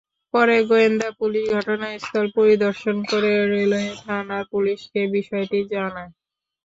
পরে গোয়েন্দা পুলিশ ঘটনাস্থল পরিদর্শন করে রেলওয়ে থানার পুলিশকে বিষয়টি জানায়।